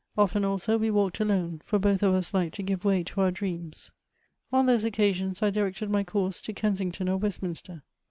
Often, also, we walked alone, for both of us liked to give way to our dreams. On those occasions I directed my course to Kensington or Westminster.